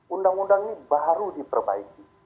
undang undang ini baru diperbaiki